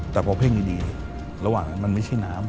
แต่พอเพ่งดีระหว่างนั้นมันไม่ใช่น้ำ